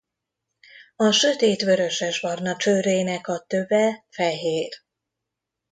A sötét vörösesbarna csőrének a töve fehér.